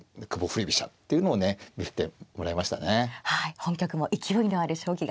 本局も勢いのある将棋が。